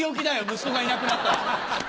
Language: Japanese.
息子がいなくなったら。